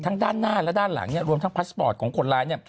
ทั้งด้านหน้าและด้านหลังรวมทั้งพลัสสปอร์ตของคนร้าย